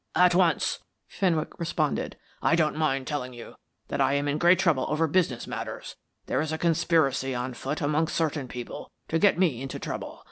"At once," Fenwick responded. "I don't mind telling you that I am in great trouble over business matters; there is a conspiracy on foot amongst certain people to get me into trouble.